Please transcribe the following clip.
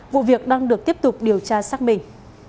vụ việc đang được tiếp tục điều tra xác minh